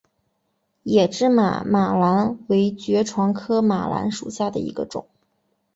野芝麻马蓝为爵床科马蓝属下的一个种。